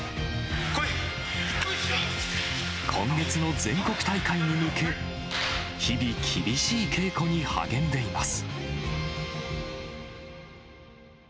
今月の全国大会に向け、日々、厳しい稽古に励んでいます。